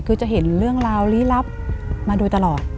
คือจะเห็นเรื่องราวลี้ลับมาโดยตลอด